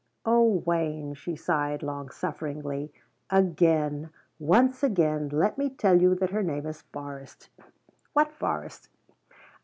"Oh Wayne," she sighed long sufferingly, "again once again let me tell you that her name is Forrest." "What Forrest?"